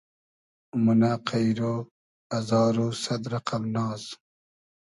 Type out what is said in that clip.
مونۂ قݷرۉ ازار و سئد رئقئم ناز